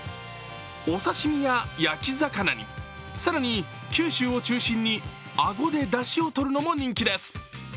お刺身や焼き魚に、更に九州を中心にあごでだしを取るのも人気です。